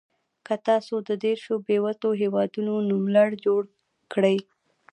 که تاسو د دېرش بېوزلو هېوادونو نوملړ جوړ کړئ.